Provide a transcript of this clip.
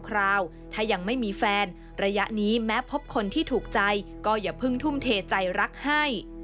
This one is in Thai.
คราวถ้ายังไม่มีแฟนระยะนี้แม้พบคนที่ถูกใจก็อย่าเพิ่งทุ่มเทใจรักให้